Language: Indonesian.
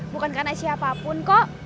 bukan karena siapapun kok